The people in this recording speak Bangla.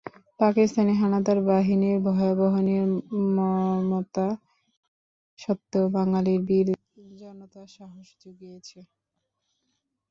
পাকিস্তানি হানাদার বাহিনীর ভয়াবহ নির্মমতা সত্ত্বেও বাঙালি বীর জনতা সাহস জুগিয়েছে।